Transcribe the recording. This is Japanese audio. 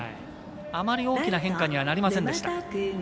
あまり大きな変化にはなりませんでした。